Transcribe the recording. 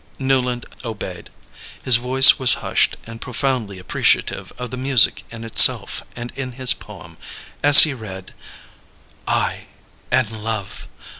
Newland obeyed. His voice was hushed and profoundly appreciative of the music in itself and in his poem, as he read: "I And Love!